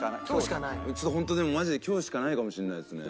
本当でもマジで今日しかないかもしれないですね。